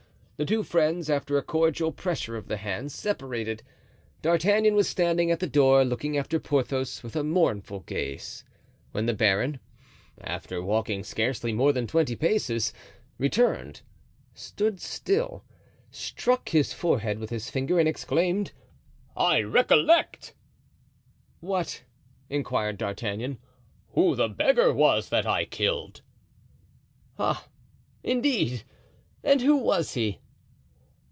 The two friends, after a cordial pressure of the hands, separated. D'Artagnan was standing at the door looking after Porthos with a mournful gaze, when the baron, after walking scarcely more than twenty paces, returned—stood still—struck his forehead with his finger and exclaimed: "I recollect!" "What?" inquired D'Artagnan. "Who the beggar was that I killed." "Ah! indeed! and who was he?"